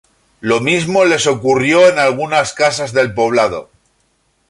Lo mismo les ocurrió en algunas casas del poblado.